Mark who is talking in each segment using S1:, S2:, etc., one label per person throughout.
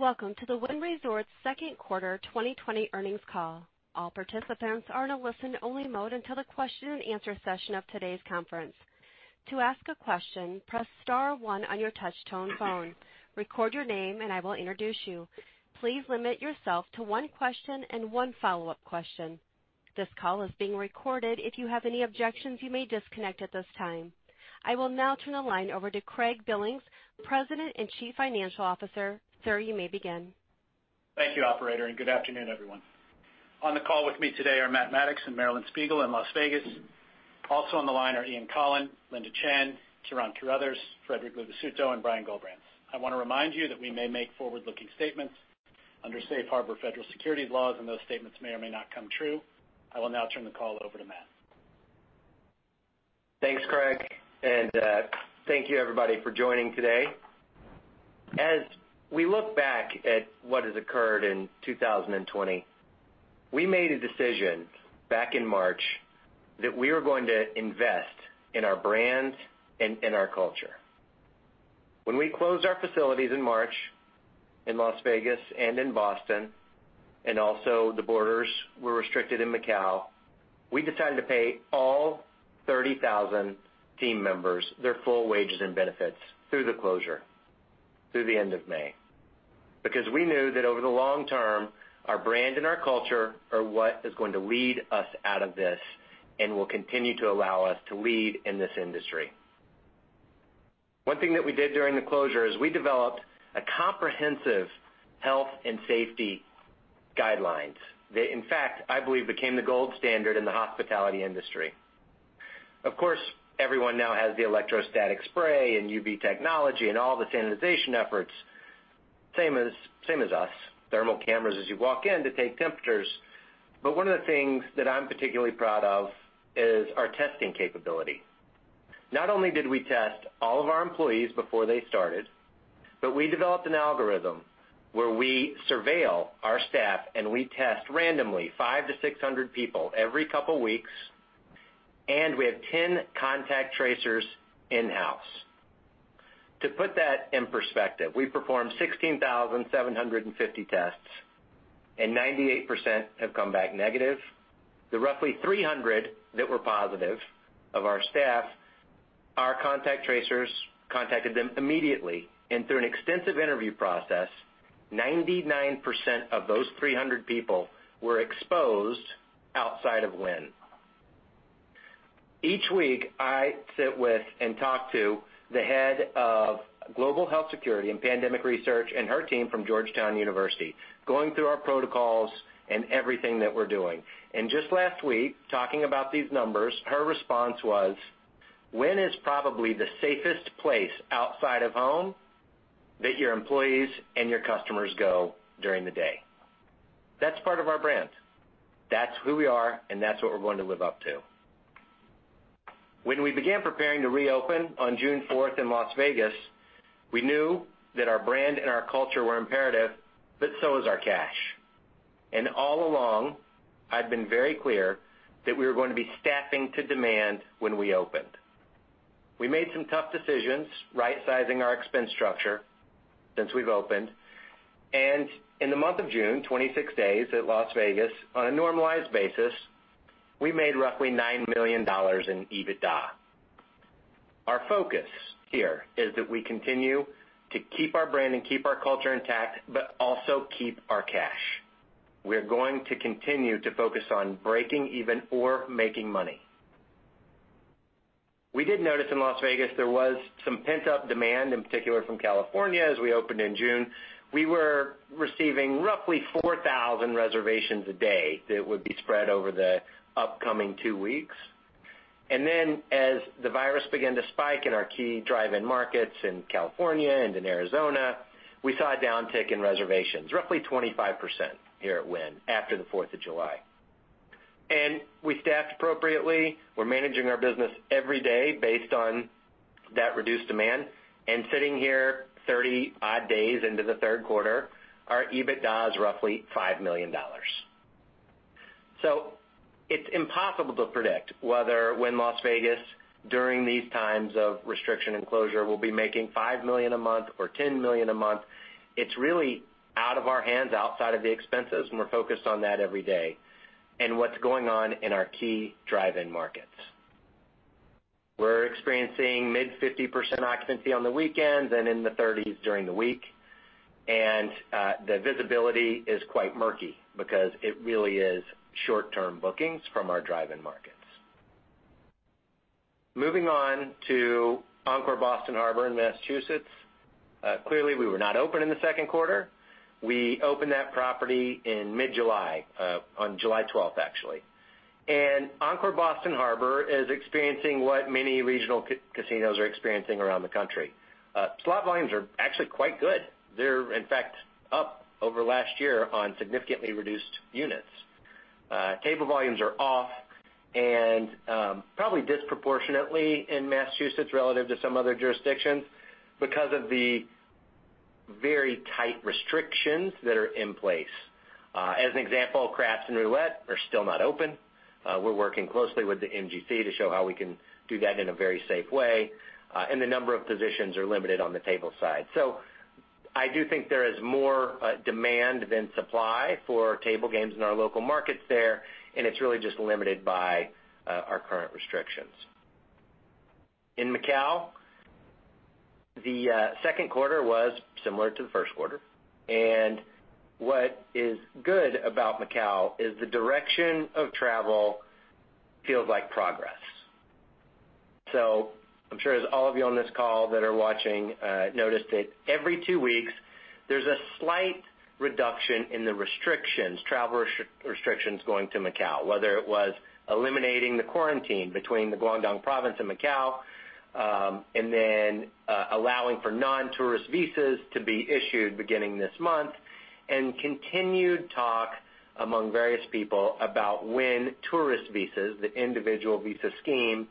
S1: Welcome to the Wynn Resorts second quarter 2020 earnings call. All participants are in a listen-only mode until the question and answer session of today's conference. To ask a question, press star one on your touch-tone phone record your name and I will introduce you. Please limit yourself to one question and one follow-up question. This call is being recorded if you have any objections, you may disconnect at this time. I will now turn the line over to Craig Billings, President and Chief Financial Officer. Sir, you may begin.
S2: Thank you, operator, and good afternoon, everyone. On the call with me today are Matt Maddox and Marilyn Spiegel in Las Vegas. Also on the line are Ian Coughlan, Linda Chen, Ciaran Carruthers, Frederic Luvisutto and Brian Gullbrants. I want to remind you that we may make forward-looking statements under Safe Harbor federal securities laws, and those statements may or may not come true. I will now turn the call over to Matt.
S3: Thanks, Craig, and thank you everybody for joining today. As we look back at what has occurred in 2020, we made a decision back in March that we were going to invest in our brand and in our culture. When we closed our facilities in March in Las Vegas and in Boston, and also the borders were restricted in Macau, we decided to pay all 30,000 team members their full wages and benefits through the closure, through the end of May, because we knew that over the long term, our brand and our culture are what is going to lead us out of this and will continue to allow us to lead in this industry. One thing that we did during the closure is we developed a comprehensive health and safety guidelines. They, in fact, I believe became the gold standard in the hospitality industry. Of course, everyone now has the electrostatic spray and UV technology and all the sanitization efforts, same as us. Thermal cameras as you walk in to take temperatures. One of the things that I'm particularly proud of is our testing capability. Not only did we test all of our employees before they started, but we developed an algorithm where we surveil our staff and we test randomly 500 to 600 people every couple weeks, and we have 10 contact tracers in-house. To put that in perspective, we performed 16,750 tests and 98% have come back negative. The roughly 300 that were positive of our staff, our contact tracers contacted them immediately and through an extensive interview process, 99% of those 300 people were exposed outside of Wynn. Each week I sit with and talk to the head of Global Health Security and Pandemic Research and her team from Georgetown University, going through our protocols and everything that we're doing. Just last week, talking about these numbers, her response was, "Wynn is probably the safest place outside of home that your employees and your customers go during the day." That's part of our brand. That's who we are and that's what we're going to live up to. When we began preparing to reopen on June 4th in Las Vegas, we knew that our brand and our culture were imperative, but so is our cash. All along, I've been very clear that we were going to be staffing to demand when we opened. We made some tough decisions rightsizing our expense structure since we've opened. In the month of June 26 days at Las Vegas, on a normalized basis, we made roughly $9 million in EBITDA. Our focus here is that we continue to keep our brand and keep our culture intact, but also keep our cash. We're going to continue to focus on breaking even or making money. We did notice in Las Vegas there was some pent-up demand, in particular from California. As we opened in June, we were receiving roughly 4,000 reservations a day that would be spread over the upcoming two weeks. As the virus began to spike in our key drive-in markets in California and in Arizona, we saw a downtick in reservations, roughly 25% here at Wynn after the 4th of July. We staffed appropriately. We're managing our business every day based on that reduced demand. Sitting here 30-odd days into the third quarter, our EBITDA is roughly $5 million. It's impossible to predict whether Wynn Las Vegas, during these times of restriction and closure, will be making $5 million a month or $10 million a month. It's really out of our hands outside of the expenses, and we're focused on that every day, and what's going on in our key drive-in markets. We're experiencing mid-50% occupancy on the weekends and in the 30s during the week. The visibility is quite murky because it really is short-term bookings from our drive-in markets. Moving on to Encore Boston Harbor in Massachusetts. Clearly, we were not open in the second quarter. We opened that property in mid-July, on July 12th, actually. Encore Boston Harbor is experiencing what many regional casinos are experiencing around the country. Slot volumes are actually quite good. They're, in fact, up over last year on significantly reduced units. Table volumes are off and probably disproportionately in Massachusetts relative to some other jurisdictions because of the very tight restrictions that are in place. As an example, craps and roulette are still not open. We're working closely with the MGC to show how we can do that in a very safe way, and the number of positions are limited on the table side. I do think there is more demand than supply for table games in our local markets there, and it's really just limited by our current restrictions. In Macau, the second quarter was similar to the first quarter, and what is good about Macau is the direction of travel feels like progress. I'm sure as all of you on this call that are watching noticed that every two weeks, there's a slight reduction in the restrictions, travel restrictions going to Macau, whether it was eliminating the quarantine between the Guangdong province and Macau, and then allowing for non-tourist visas to be issued beginning this month, and continued talk among various people about when tourist visas, the individual visa scheme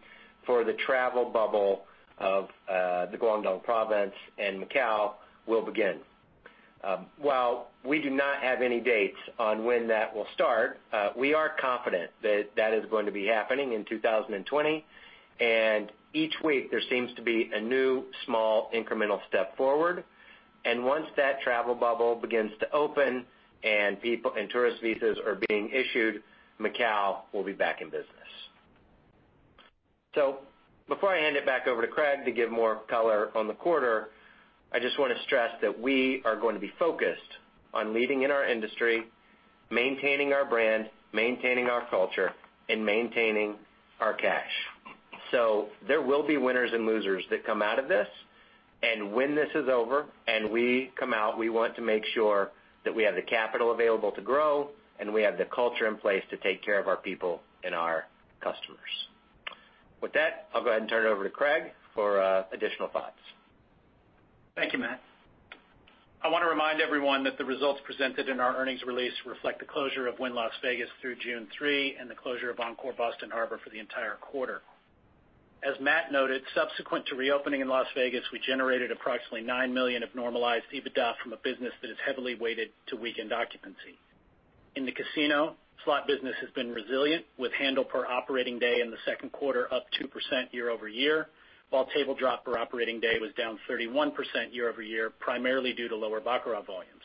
S3: for the travel bubble of the Guangdong province and Macau will begin. While we do not have any dates on when that will start, we are confident that that is going to be happening in 2020. Each week there seems to be a new, small, incremental step forward. Once that travel bubble begins to open and tourist visas are being issued, Macau will be back in business. Before I hand it back over to Craig to give more color on the quarter, I just want to stress that we are going to be focused on leading in our industry, maintaining our brand, maintaining our culture, and maintaining our cash. So there will be winners and losers that come out of this. When this is over and we come out, we want to make sure that we have the capital available to grow and we have the culture in place to take care of our people and our customers. With that, I'll go ahead and turn it over to Craig for additional thoughts.
S2: Thank you, Matt. I want to remind everyone that the results presented in our earnings release reflect the closure of Wynn Las Vegas through June 3 and the closure of Encore Boston Harbor for the entire quarter. As Matt noted, subsequent to reopening in Las Vegas, we generated approximately $9 million of normalized EBITDA from a business that is heavily weighted to weekend occupancy. In the casino, slot business has been resilient with handle per operating day in the second quarter up 2% year-over-year, while table drop per operating day was down 31% year-over-year, primarily due to lower baccarat volumes.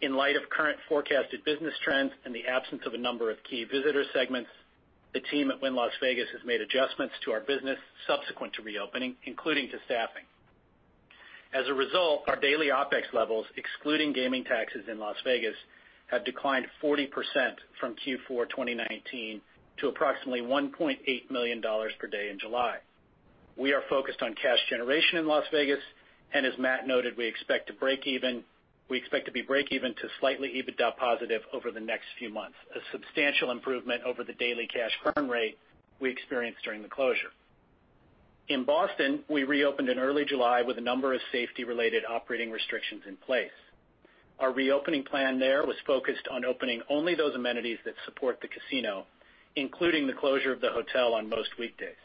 S2: In light of current forecasted business trends and the absence of a number of key visitor segments, the team at Wynn Las Vegas has made adjustments to our business subsequent to reopening, including to staffing. As a result, our daily OpEx levels, excluding gaming taxes in Las Vegas, have declined 40% from Q4 2019 to approximately $1.8 million per day in July. We are focused on cash generation in Las Vegas, and as Matt noted, we expect to be break even to slightly EBITDA positive over the next few months, a substantial improvement over the daily cash burn rate we experienced during the closure. In Boston, we reopened in early July with a number of safety-related operating restrictions in place. Our reopening plan there was focused on opening only those amenities that support the casino, including the closure of the hotel on most weekdays.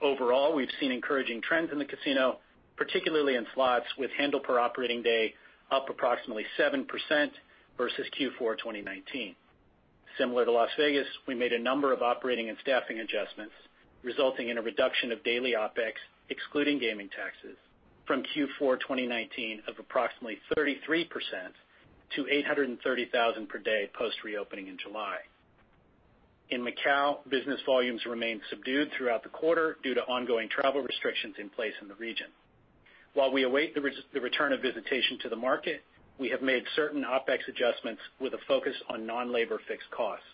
S2: Overall, we've seen encouraging trends in the casino, particularly in slots, with handle per operating day up approximately 7% versus Q4 2019. Similar to Las Vegas, we made a number of operating and staffing adjustments, resulting in a reduction of daily OpEx, excluding gaming taxes, from Q4 2019 of approximately 33% to $830,000 per day post-reopening in July. In Macau, business volumes remained subdued throughout the quarter due to ongoing travel restrictions in place in the region. While we await the return of visitation to the market, we have made certain OpEx adjustments with a focus on non-labor fixed costs.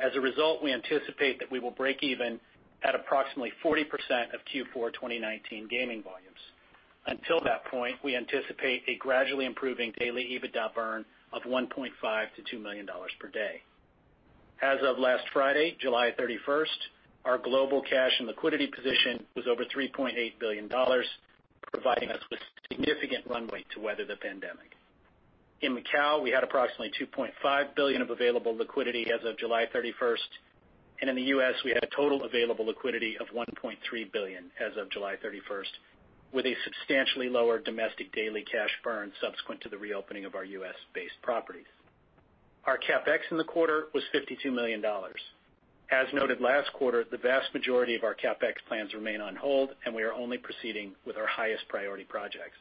S2: As a result, we anticipate that we will break even at approximately 40% of Q4 2019 gaming volumes. Until that point, we anticipate a gradually improving daily EBITDA burn of $1.5 million-$2 million per day. As of last Friday, July 31st, our global cash and liquidity position was over $3.8 billion, providing us with significant runway to weather the pandemic. In Macau, we had approximately $2.5 billion of available liquidity as of July 31st, and in the U.S., we had a total available liquidity of $1.3 billion as of July 31st, with a substantially lower domestic daily cash burn subsequent to the reopening of our U.S.-based properties. Our CapEx in the quarter was $52 million. As noted last quarter, the vast majority of our CapEx plans remain on hold, and we are only proceeding with our highest priority projects.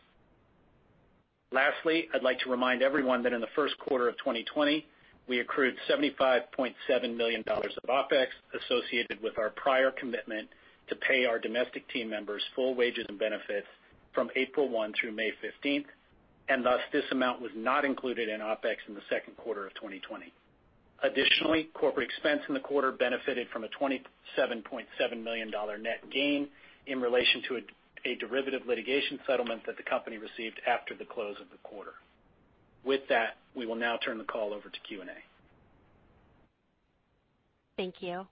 S2: Lastly, I'd like to remind everyone that in the first quarter of 2020, we accrued $75.7 million of OpEx associated with our prior commitment to pay our domestic team members full wages and benefits from April 1 through May 15th, and thus, this amount was not included in OpEx in the second quarter of 2020. Additionally, corporate expense in the quarter benefited from a $27.7 million net gain in relation to a derivative litigation settlement that the company received after the close of the quarter. With that, we will now turn the call over to Q&A.
S1: Thank you.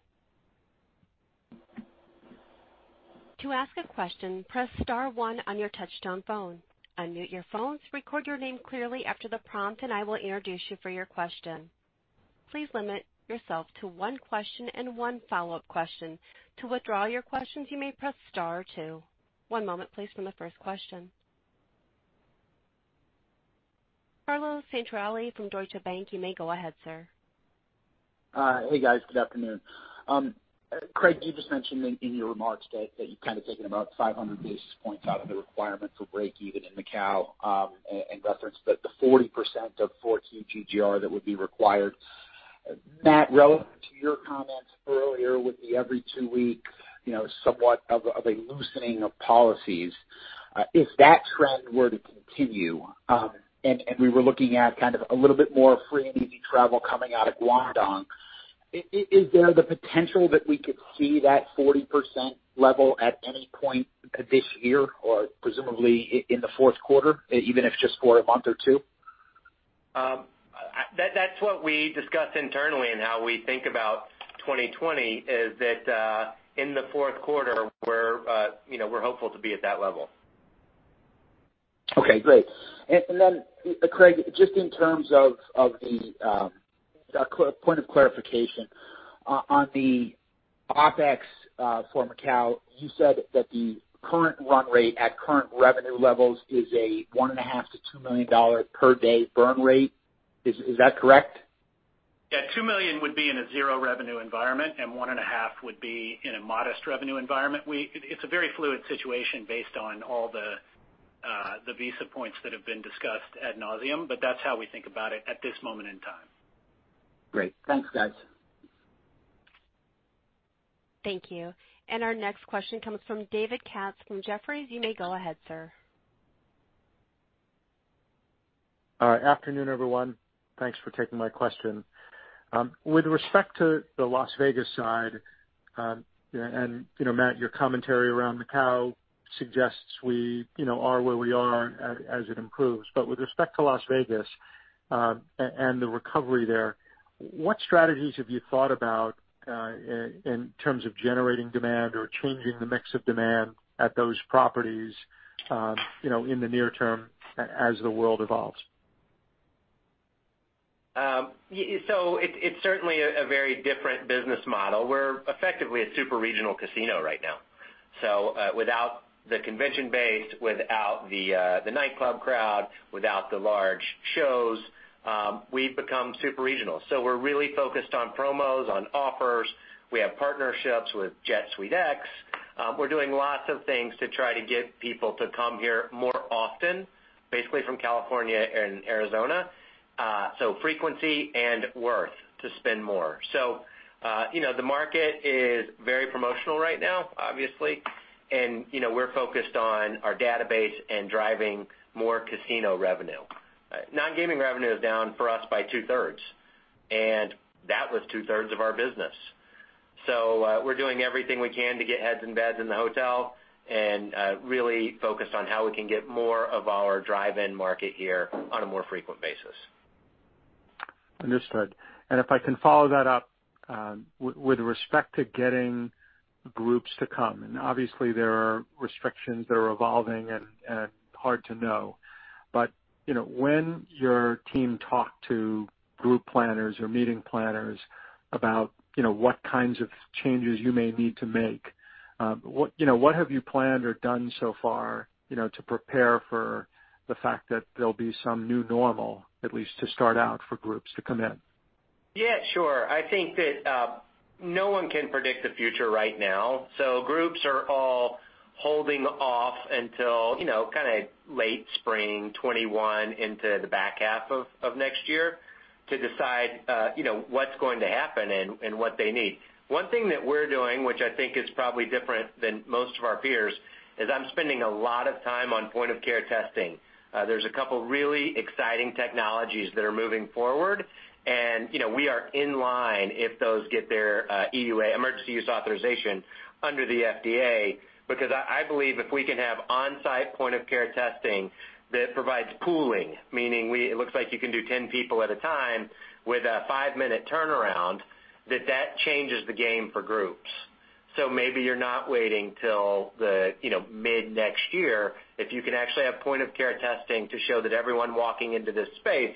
S1: To ask a question, press star one on your touch-tone phone. Unmute your phones, record your name clearly after the prompt, and I will introduce you for your question. Please limit yourself to one question and one follow-up question. To withdraw your questions, you may press star two. One moment please for the first question. Carlo Santarelli from Deutsche Bank, you may go ahead, sir.
S4: Hey, guys. Good afternoon. Craig, you just mentioned in your remarks that you've kind of taken about 500 basis points out of the requirement for breakeven in Macau, and referenced the 40% of Q4 GGR that would be required. Matt, relevant to your comments earlier with the every two weeks, somewhat of a loosening of policies, if that trend were to continue, and we were looking at kind of a little bit more free and easy travel coming out of Guangdong, is there the potential that we could see that 40% level at any point this year, or presumably in the fourth quarter, even if just for a month or two?
S3: That's what we discussed internally and how we think about 2020, is that in the fourth quarter we're hopeful to be at that level.
S4: Okay, great. Craig, just in terms of the point of clarification, on the OpEx for Macau, you said that the current run rate at current revenue levels is a $1.5 million-$2 million per day burn rate. Is that correct?
S2: Yeah, $2 million would be in a zero revenue environment, and $1.5 would be in a modest revenue environment. It's a very fluid situation based on all the visa points that have been discussed ad nauseam. That's how we think about it at this moment in time.
S4: Great. Thanks, guys.
S1: Thank you. Our next question comes from David Katz from Jefferies. You may go ahead, sir.
S5: All right. Afternoon, everyone. Thanks for taking my question. With respect to the Las Vegas side, and Matt, your commentary around Macau suggests we are where we are as it improves. With respect to Las Vegas and the recovery there, what strategies have you thought about in terms of generating demand or changing the mix of demand at those properties in the near term as the world evolves?
S3: It's certainly a very different business model. We're effectively a super regional casino right now. Without the convention base, without the nightclub crowd, without the large shows, we've become super regional. We're really focused on promos, on offers. We have partnerships with [JSX]. We're doing lots of things to try to get people to come here more often, basically from California and Arizona. Frequency and worth to spend more. The market is very promotional right now, obviously, and we're focused on our database and driving more casino revenue. Non-gaming revenue is down for us by two-thirds, and that was two-thirds of our business. We're doing everything we can to get heads and beds in the hotel and really focused on how we can get more of our drive-in market here on a more frequent basis.
S5: Understood. If I can follow that up, with respect to getting groups to come, and obviously there are restrictions that are evolving and hard to know, but when your team talked to group planners or meeting planners about what kinds of changes you may need to make, what have you planned or done so far to prepare for the fact that there'll be some new normal, at least to start out for groups to come in?
S3: Yeah, sure. I think that no one can predict the future right now. Groups are all holding off until kind of late spring 2021 into the back half of next year to decide what's going to happen and what they need. One thing that we're doing, which I think is probably different than most of our peers, is I'm spending a lot of time on point-of-care testing. There's a couple really exciting technologies that are moving forward, and we are in line if those get their EUA, Emergency Use Authorization, under the FDA. I believe if we can have on-site point-of-care testing that provides pooling, meaning it looks like you can do 10 people at a time with a five-minute turnaround, that changes the game for groups. Maybe you're not waiting till the mid-next year if you can actually have point-of-care testing to show that everyone walking into this space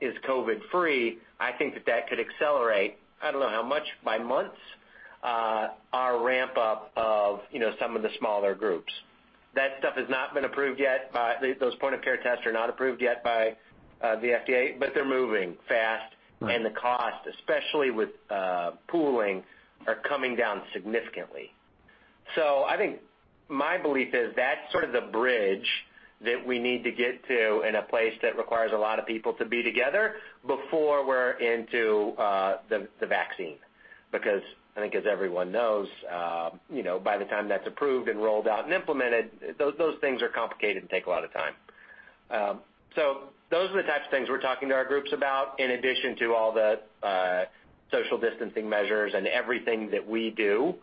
S3: is COVID free. I think that that could accelerate, I don't know how much, by months, our ramp-up of some of the smaller groups. That stuff has not been approved yet. Those point-of-care tests are not approved yet by the FDA. They're moving fast.
S5: Right.
S3: The cost, especially with pooling, are coming down significantly. I think my belief is that's sort of the bridge that we need to get to in a place that requires a lot of people to be together before we're into the vaccine. I think as everyone knows, by the time that's approved and rolled out and implemented, those things are complicated and take a lot of time. Those are the types of things we're talking to our groups about, in addition to all the social distancing measures and everything that we do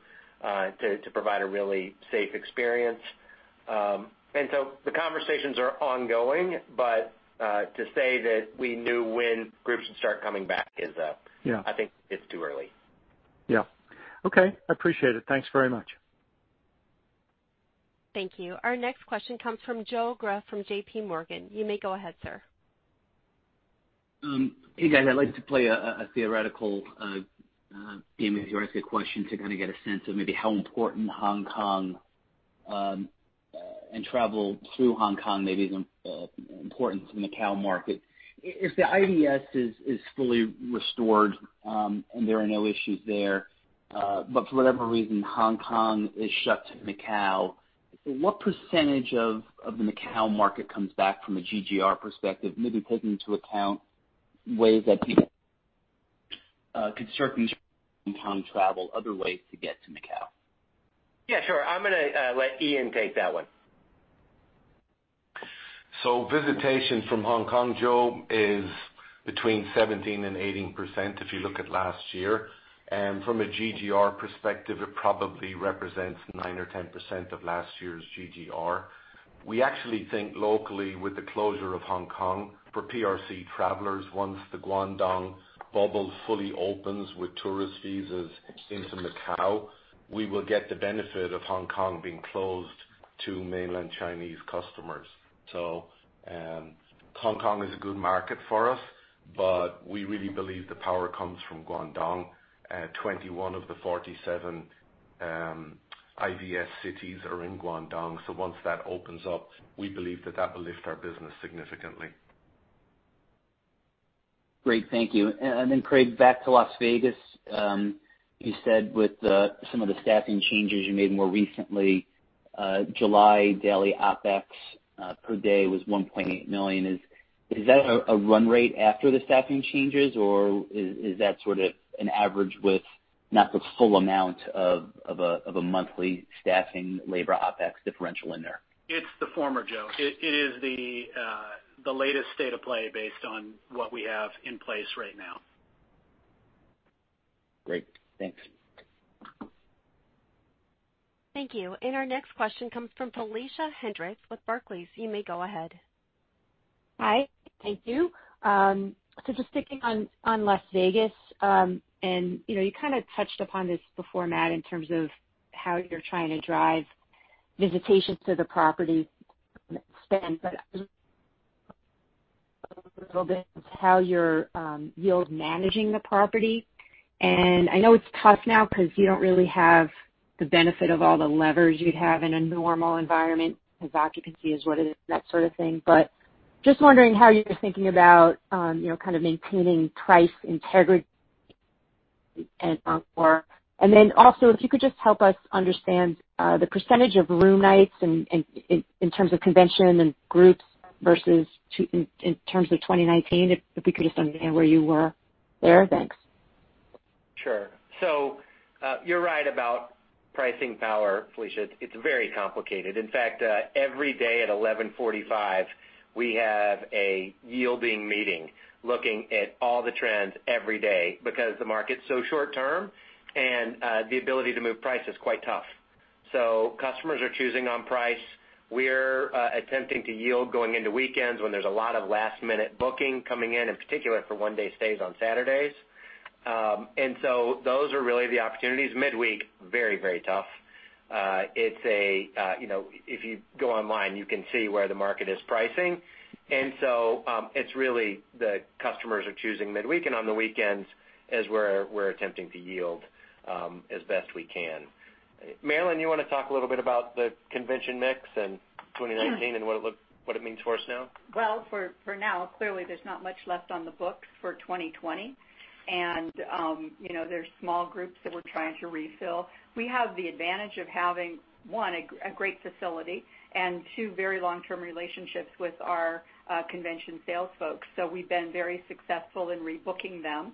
S3: to provide a really safe experience. The conversations are ongoing, but to say that we knew when groups would start coming back is.
S5: Yeah.
S3: I think it's too early.
S5: Yeah. Okay, I appreciate it. Thanks very much.
S1: Thank you. Our next question comes from Joe Greff from J.P. Morgan. You may go ahead, sir.
S6: Hey, guys. I'd like to play a theoretical game, if you ask a question to kind of get a sense of maybe how important Hong Kong, and travel through Hong Kong maybe is important to Macau market. If the IVS is fully restored, and there are no issues there, but for whatever reason, Hong Kong is shut to Macau, what percentage of the Macau market comes back from a GGR perspective, maybe taking into account ways that people could circumvent Hong Kong travel, other ways to get to Macau?
S3: Yeah, sure. I'm going to let Ian take that one.
S7: Visitation from Hong Kong, Joe, is between 17% and 18% if you look at last year. From a GGR perspective, it probably represents 9% or 10% of last year's GGR. We actually think locally with the closure of Hong Kong for PRC travelers, once the Guangdong bubble fully opens with tourist visas into Macao, we will get the benefit of Hong Kong being closed to mainland Chinese customers. Hong Kong is a good market for us, but we really believe the power comes from Guangdong. 21 of the 47 IVS cities are in Guangdong. Once that opens up, we believe that that will lift our business significantly.
S6: Great. Thank you. Craig, back to Las Vegas. You said with some of the staffing changes you made more recently, July daily OpEx per day was $1.8 million. Is that a run rate after the staffing changes, or is that sort of an average with not the full amount of a monthly staffing labor OpEx differential in there?
S2: It's the former, Joe. It is the latest state of play based on what we have in place right now.
S6: Great. Thanks.
S1: Thank you. Our next question comes from Felicia Hendrix with Barclays. You may go ahead.
S8: Hi. Thank you. Just sticking on Las Vegas. You kind of touched upon this before, Matt, in terms of how you're trying to drive visitation to the property spend, but a little bit how you're yield managing the property. I know it's tough now because you don't really have the benefit of all the levers you'd have in a normal environment because occupancy is what it is, that sort of thing. Just wondering how you're thinking about kind of maintaining price integrity and Encore. Also, if you could just help us understand the percentage of room nights in terms of convention and groups versus in terms of 2019, if we could just understand where you were there. Thanks.
S3: Sure. You're right about pricing power, Felicia. It's very complicated. In fact, every day at 11:45 A.M., we have a yielding meeting looking at all the trends every day because the market's so short term and the ability to move price is quite tough. Customers are choosing on price. We're attempting to yield going into weekends when there's a lot of last-minute booking coming in particular for one-day stays on Saturdays. Those are really the opportunities. Midweek, very, very tough. If you go online, you can see where the market is pricing. It's really the customers are choosing midweek and on the weekends is where we're attempting to yield as best we can. Marilyn, you want to talk a little bit about the convention mix in 2019 and what it means for us now?
S9: Well, for now, clearly, there's not much left on the books for 2020. There's small groups that we're trying to refill. We have the advantage of having, one, a great facility, and two, very long-term relationships with our convention sales folks. We've been very successful in rebooking them.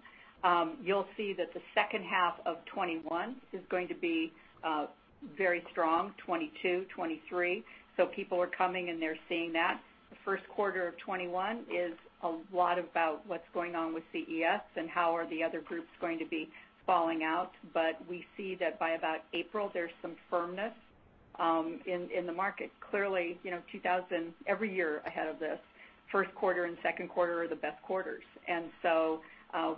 S9: You'll see that the second half of 2021 is going to be very strong, 2022, 2023. People are coming, and they're seeing that. The first quarter of 2021 is a lot about what's going on with CES and how are the other groups going to be falling out. We see that by about April, there's some firmness in the market. Clearly, every year ahead of this, first quarter and second quarter are the best quarters.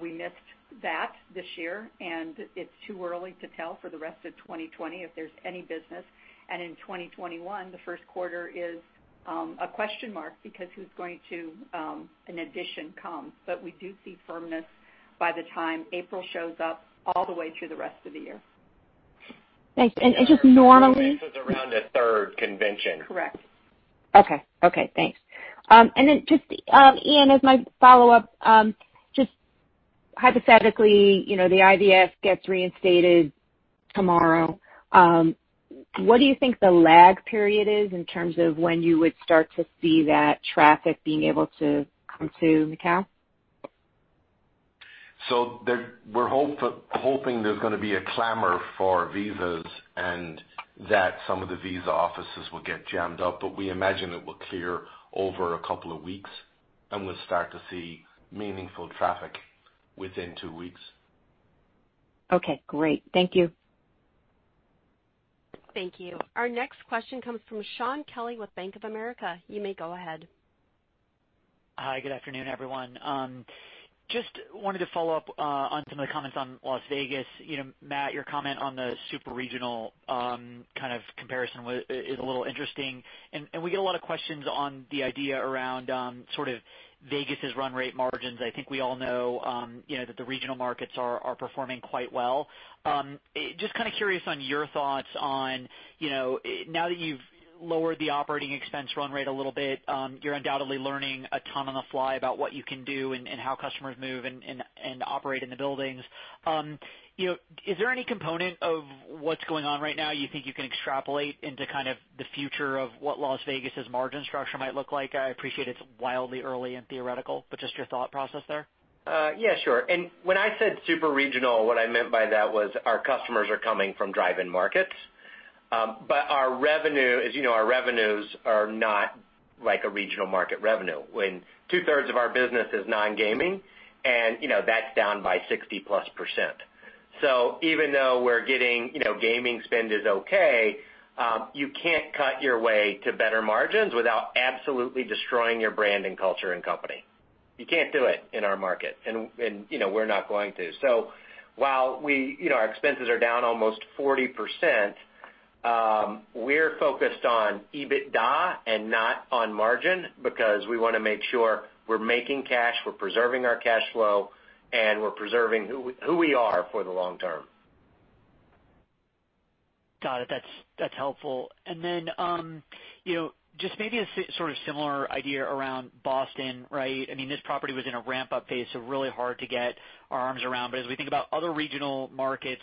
S9: We missed that this year, and it's too early to tell for the rest of 2020 if there's any business. In 2021, the first quarter is a question mark because who's going to, in addition, come? We do see firmness by the time April shows up all the way through the rest of the year.
S8: Thanks.
S3: This is around a third convention.
S9: Correct.
S8: Okay. Thanks. Just, Ian, as my follow-up, just hypothetically, the IVS gets reinstated tomorrow. What do you think the lag period is in terms of when you would start to see that traffic being able to come to Macau?
S7: We're hoping there's going to be a clamor for visas and that some of the visa offices will get jammed up, but we imagine it will clear over a couple of weeks, and we'll start to see meaningful traffic within two weeks.
S8: Okay, great. Thank you.
S1: Thank you. Our next question comes from Shaun Kelley with Bank of America. You may go ahead.
S10: Hi, good afternoon, everyone. Just wanted to follow up on some of the comments on Las Vegas. Matt, your comment on the super regional kind of comparison is a little interesting, and we get a lot of questions on the idea around sort of Vegas' run rate margins. I think we all know that the regional markets are performing quite well. Just kind of curious on your thoughts on, now that you've lowered the operating expense run rate a little bit, you're undoubtedly learning a ton on the fly about what you can do and how customers move and operate in the buildings. Is there any component of what's going on right now you think you can extrapolate into kind of the future of what Las Vegas' margin structure might look like? I appreciate it's wildly early and theoretical, but just your thought process there.
S3: Yeah, sure. When I said super regional, what I meant by that was our customers are coming from drive-in markets. Our revenue, as you know, our revenues are not like a regional market revenue when two-thirds of our business is non-gaming and that's down by +60%. Even though we're getting gaming spend is okay, you can't cut your way to better margins without absolutely destroying your brand and culture and company. You can't do it in our market, and we're not going to. While our expenses are down almost 40%, we're focused on EBITDA and not on margin because we want to make sure we're making cash, we're preserving our cash flow, and we're preserving who we are for the long term.
S10: Got it. That's helpful. Just maybe a sort of similar idea around Boston, right? I mean, this property was in a ramp-up phase, so really hard to get our arms around. As we think about other regional markets,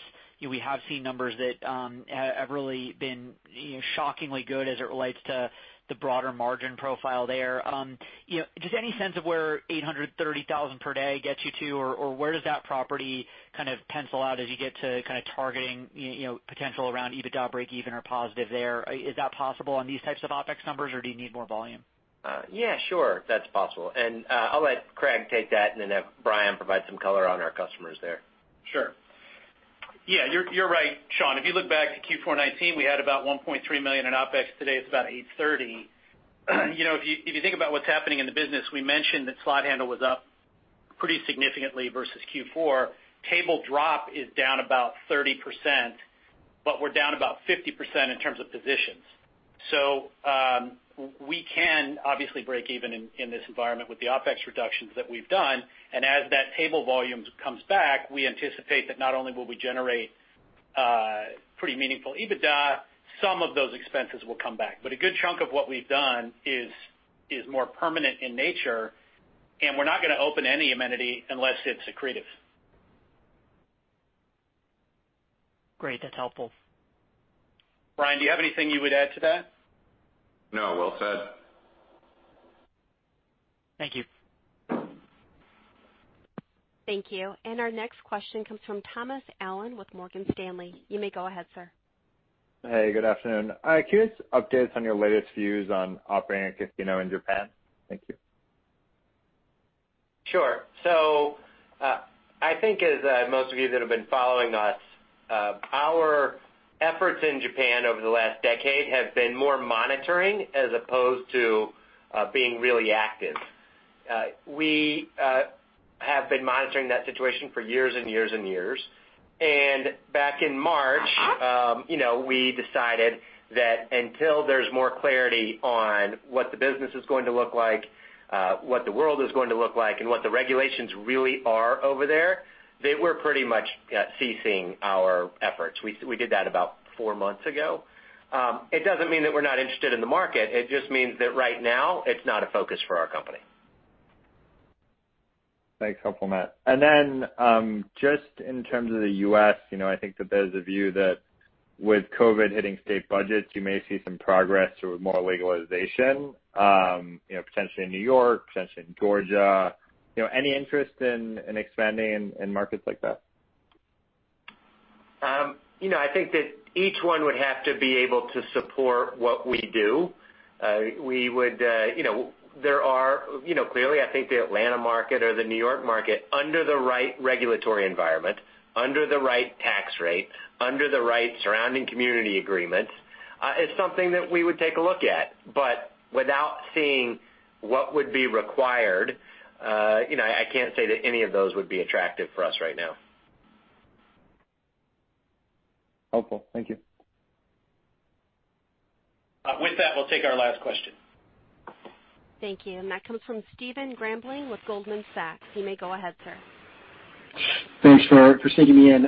S10: we have seen numbers that have really been shockingly good as it relates to the broader margin profile there. Any sense of where $830,000 per day gets you to, or where does that property kind of pencil out as you get to kind of targeting potential around EBITDA breakeven or positive there? Is that possible on these types of OpEx numbers, or do you need more volume?
S3: Yeah, sure. That's possible. I'll let Craig take that and then have Brian provide some color on our customers there.
S2: Sure. Yeah, you're right, Shaun. If you look back to Q4 2019, we had about $1.3 million in OpEx. Today, it's about $830. If you think about what's happening in the business, we mentioned that slot handle was up pretty significantly versus Q4. Table drop is down about 30%, but we're down about 50% in terms of positions. We can obviously break even in this environment with the OpEx reductions that we've done. As that table volumes comes back, we anticipate that not only will we generate pretty meaningful EBITDA, some of those expenses will come back. A good chunk of what we've done is more permanent in nature, and we're not going to open any amenity unless it's accretive.
S10: Great. That's helpful.
S2: Brian, do you have anything you would add to that?
S11: No, well said.
S10: Thank you.
S1: Thank you. Our next question comes from Thomas Allen with Morgan Stanley. You may go ahead, sir.
S12: Hey, good afternoon. Curious updates on your latest views on operating a casino in Japan? Thank you.
S3: Sure. I think as most of you that have been following us, our efforts in Japan over the last decade have been more monitoring as opposed to being really active. We have been monitoring that situation for years and years and years. Back in March, we decided that until there's more clarity on what the business is going to look like, what the world is going to look like, and what the regulations really are over there, that we're pretty much ceasing our efforts. We did that about four months ago. It doesn't mean that we're not interested in the market. It just means that right now it's not a focus for our company.
S12: Thanks. Helpful, Matt. Then, just in terms of the U.S., I think that there's a view that with COVID hitting state budgets, you may see some progress toward more legalization, potentially in New York, potentially in Georgia. Any interest in expanding in markets like that?
S3: I think that each one would have to be able to support what we do. Clearly, I think the Atlanta market or the New York market, under the right regulatory environment, under the right tax rate, under the right surrounding community agreements, is something that we would take a look at. Without seeing what would be required, I can't say that any of those would be attractive for us right now.
S12: Helpful. Thank you.
S2: With that, we'll take our last question.
S1: Thank you. That comes from Stephen Grambling with Goldman Sachs. You may go ahead, sir.
S13: Thanks for sneaking me in.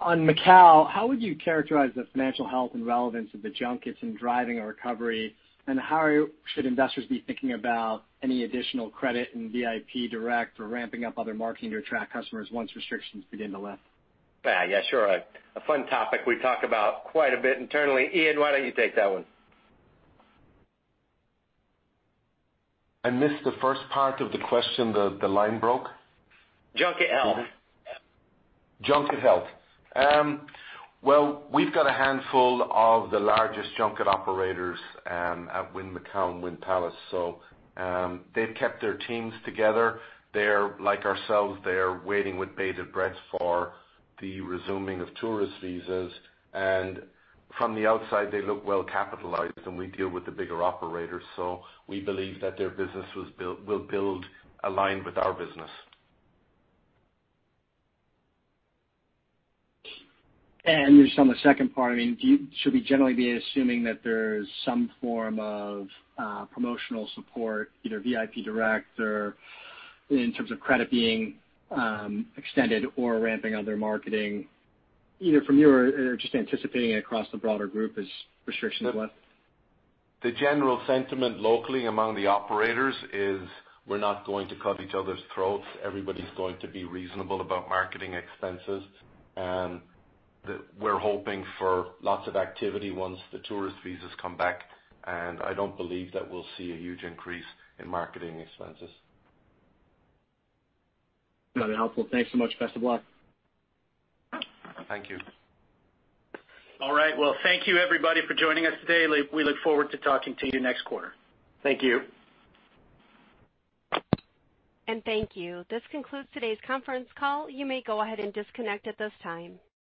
S13: On Macau, how would you characterize the financial health and relevance of the junkets in driving a recovery? How should investors be thinking about any additional credit in VIP direct or ramping up other marketing to attract customers once restrictions begin to lift?
S3: Yeah, sure. A fun topic we talk about quite a bit internally. Ian, why don't you take that one?
S7: I missed the first part of the question. The line broke.
S3: Junket health.
S7: Junket health. Well, we've got a handful of the largest junket operators at Wynn Macau and Wynn Palace, so they've kept their teams together. Like ourselves, they are waiting with bated breath for the resuming of tourist visas. From the outside, they look well-capitalized, and we deal with the bigger operators, so we believe that their business will build aligned with our business.
S13: Just on the second part, should we generally be assuming that there's some form of promotional support, either VIP direct or in terms of credit being extended or ramping other marketing, either from you or just anticipating across the broader group as restrictions lift?
S7: The general sentiment locally among the operators is we're not going to cut each other's throats. Everybody's going to be reasonable about marketing expenses. We're hoping for lots of activity once the tourist visas come back. I don't believe that we'll see a huge increase in marketing expenses.
S13: Very helpful. Thanks so much. Best of luck.
S7: Thank you.
S2: All right. Well, thank you everybody for joining us today. We look forward to talking to you next quarter.
S3: Thank you.
S1: Thank you. This concludes today's conference call. You may go ahead and disconnect at this time.